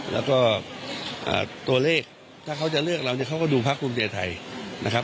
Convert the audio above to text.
แล้วก็ตัวเลขถ้าเขาจะเลือกเราเนี่ยเขาก็ดูพักภูมิใจไทยนะครับ